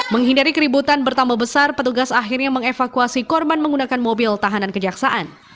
menghindari keributan bertambah besar petugas akhirnya mengevakuasi korban menggunakan mobil tahanan kejaksaan